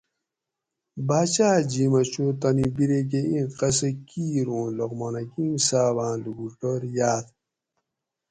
باچاۤ جِھیمہ چو تانی بِرے کہ اِیں قصاۤ کیر اوں لقمان حکیم صاباۤں لوکوٹور یاۤت